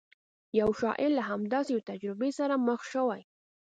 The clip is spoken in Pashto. یو شاعر له همداسې یوې تجربې سره مخ شوی.